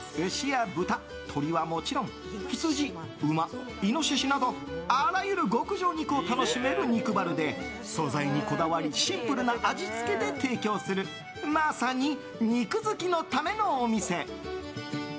牛や豚、鶏はもちろん羊、馬、イノシシなどあらゆる極上肉を楽しめる肉バルで素材にこだわりシンプルな味付けで提供するまさに肉好きのためのお店。